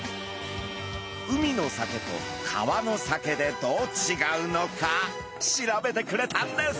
海のサケと川のサケでどうちがうのか調べてくれたんです。